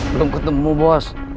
belum ketemu bos